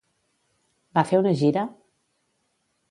Va fer una gira?